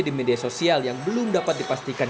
di media sosial yang belum dapat dipastikan